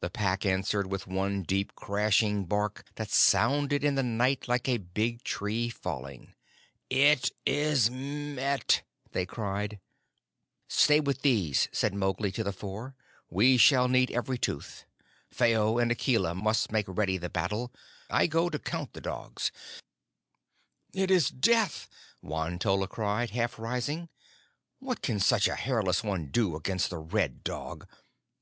The Pack answered with one deep, crashing bark that sounded in the night like a big tree falling. "It is met!" they cried. "Stay with these," said Mowgli to the Four. "We shall need every tooth. Phao and Akela must make ready the battle. I go to count the dogs." "It is death!" Won tolla cried, half rising. "What can such a hairless one do against the Red Dog?